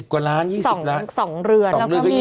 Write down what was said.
๑๐กว่าร้าน๒๐ล้าน๒เรือนแล้วก็มี